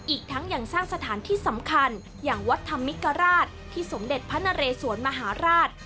อีกทั้งยังสร้างสถานที่สำคัญอย่างวัดธรรมิกราชที่สมเด็จพระนเรสวนมหาราช